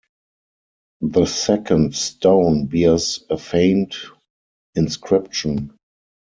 The second stone bears a faint inscription.